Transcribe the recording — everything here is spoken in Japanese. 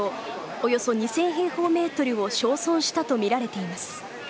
およそ２０００平方ｍを焼損したとみられています。